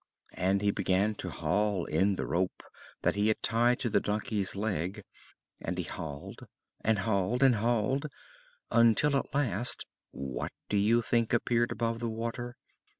And he began to haul in the rope that he had tied to the donkey's leg, and he hauled, and hauled, and hauled, until at last what do you think appeared above the water?